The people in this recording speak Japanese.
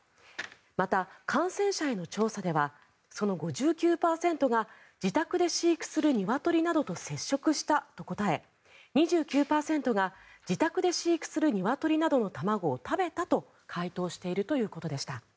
また、感染者への調査ではその５９％が自宅で飼育するニワトリなどと接触したと答え２９％が自宅で飼育するニワトリなどの卵を食べたと回答しているということでした。